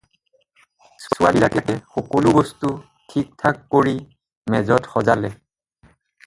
ছোৱালীৰিলাকে সকলো বস্তু ঠিকঠাক কৰি মেজত সজালে।